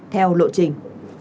theo lộ trình